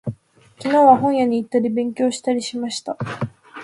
昨日は、本屋に行ったり、勉強したりしました。